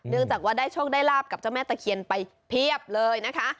จากว่าได้โชคได้ลาบกับเจ้าแม่ตะเคียนไปเพียบเลยนะคะ